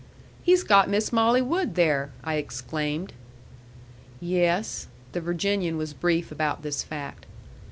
"He's got Miss Molly Wood there!" I exclaimed. "Yes." The Virginian was brief about this fact.